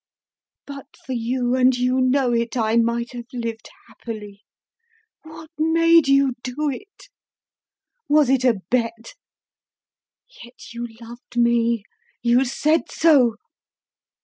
But for you, and you know it, I might have lived happily. What made you do it? Was it a bet? Yet you loved me you said so.